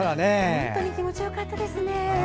本当に気持ちよかったですね。